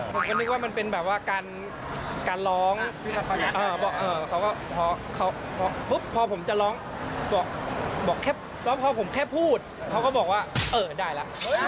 ผมก็นึกว่ามันเป็นแบบว่าการร้องพอผมจะร้องพอผมแค่พูดเขาก็บอกว่าเออได้ล่ะ